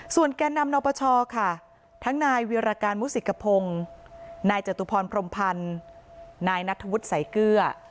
ส่วนแก่นำนปชค่ะทั้งนายวิรการมุสิกพงศ์นายจตุพรพรมพันธ์นายนัทธวุฒิสายเกลือ